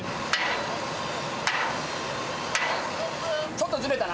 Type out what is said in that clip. ちょっとズレたな。